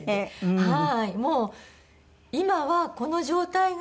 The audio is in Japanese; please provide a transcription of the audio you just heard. はい。